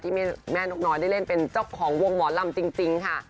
ที่แม่นกน้อยได้เล่นเป็นเจ้าของวงหมอลำจริงค่ะ